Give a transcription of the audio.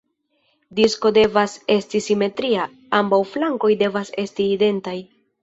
Disko devas esti simetria; ambaŭ flankoj devas esti identaj.